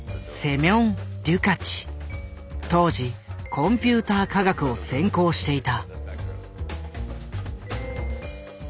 当時コンピューター科学を専攻していた。